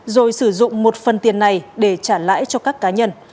rồi sử dụng một phần tiền này để trả lãi cho các cá nhân